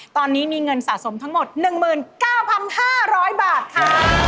ตอนนี้มีเงินสะสมทั้งหมด๑๙๕๐๐บาทค่ะ